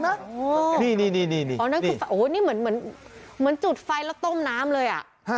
นี่นี่เหมือนจุดไฟแล้วต้มน้ำเลย